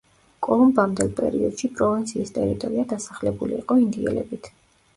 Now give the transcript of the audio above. კოლუმბამდელ პერიოდში პროვინციის ტერიტორია დასახლებული იყო ინდიელებით.